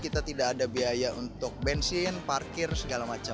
kita tidak ada biaya untuk bensin parkir segala macam